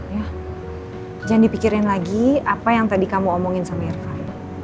ya jangan dipikirin lagi apa yang tadi kamu omongin sama irfan